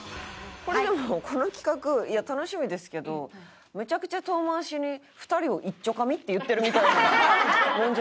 でもこの企画いや楽しみですけどめちゃくちゃ遠回しに２人を「いっちょかみ」って言ってるみたいなもんじゃないですか。